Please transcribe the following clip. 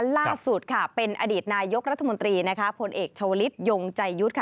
ล่าสุดเป็นอดีตนายกรัฐมนตรีผลเอกชาวฤทธิ์ยงไจยุทธ์